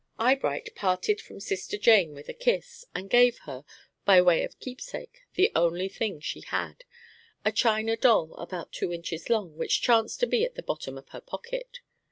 Eyebright parted from Sister Jane with a kiss, and gave her, by way of keepsake, the only thing she had, a china doll about two inches long, which chanced to be at the bottom of her pocket.